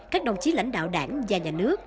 các đồng chí lãnh đạo đảng và nhà nước